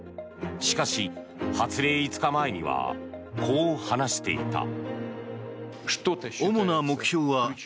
しかし、発令５日前にはこう話していた。